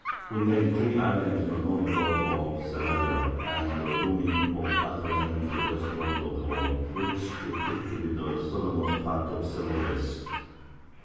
We made 3 Islands to the Northward of Zalayer, and the Looming of other Land to the Westward of all, which we took to be the Southermost part of Celebes.